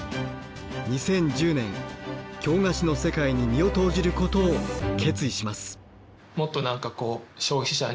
２０１０年京菓子の世界に身を投じることを決意します。